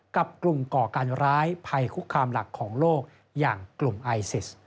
กับกลุ่มก่อการร้ายภัยคุกคามหลักของโลกอย่างกลุ่มไอซิส